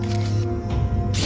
あっ。